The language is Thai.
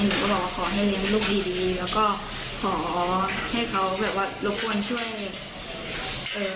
ก็บอกว่าขอให้เลี้ยงลูกดีดีแล้วก็ขอให้เขาแบบว่ารบกวนช่วยเอ่อ